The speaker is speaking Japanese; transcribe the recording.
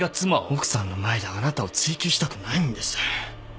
奥さんの前であなたを追及したくないんです。